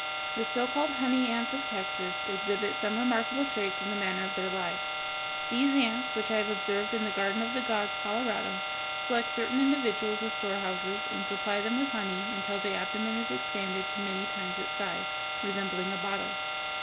The so called honey ants of Texas exhibit some remarkable traits in the manner of their lives (Fig. 247). These ants, which I have observed in the Garden of the Gods, Colorado, select certain individuals as storehouses and supply them with honey until the abdomen is expanded to many times its size, resembling a bottle.